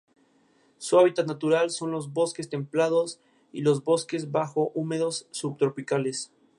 Su hábitat natural son los bosques templados y los bosques bajos húmedos subtropicales.